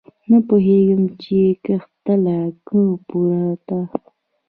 نه پوهېدم چې کښته تله که پورته.